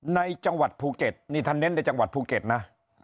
ในจังหวัดภูเก็ตนี่ท่านเน้นในจังหวัดภูเก็ตนะ